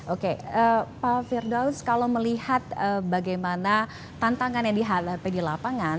oke pak firdaus kalau melihat bagaimana tantangan yang dihadapi di lapangan